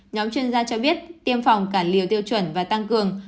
nhóm chuyên gia cho biết tiêm phòng cả liều tiêu chuẩn và tăng cường